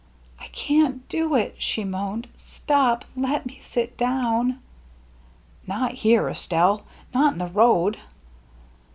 " I can't do it !" she moaned. " Stop — let me sit down." " Not here, Estelle ! Not in the road